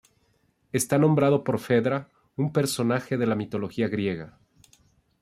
Está nombrado por Fedra, un personaje de la mitología griega.